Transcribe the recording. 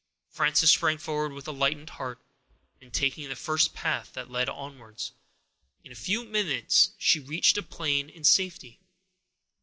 Frances sprang forward with a lightened heart, and taking the first path that led downwards, in a few minutes she reached the plain in safety.